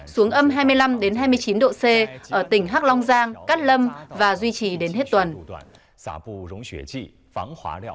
xuống âm hai mươi năm hai mươi chín độ c ở tỉnh hắc long giang cát lâm và duy trì đến hết tuần